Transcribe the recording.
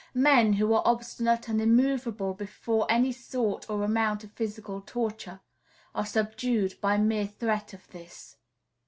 Men who are obstinate and immovable before any sort or amount of physical torture are subdued by mere threat of this.